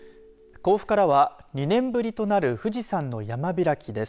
甲府から２年ぶりとなる富士山の山開きです。